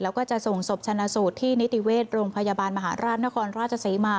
แล้วก็จะส่งศพชนะสูตรที่นิติเวชโรงพยาบาลมหาราชนครราชศรีมา